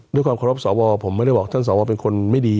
ด้วยความเคารพสวผมไม่ได้บอกท่านสวเป็นคนไม่ดี